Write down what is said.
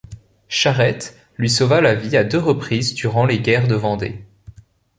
Charette lui sauva la vie à deux reprises durant les Guerres de Vendée.